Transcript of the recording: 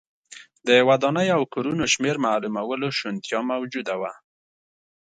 د ودانیو او کورونو شمېر معلومولو شونتیا موجوده وه